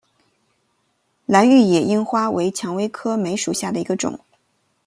兰屿野樱花为蔷薇科梅属下的一个种。